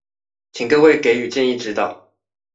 請各位給予建議指導